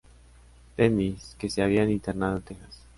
Dennis, que se habían internado en Texas.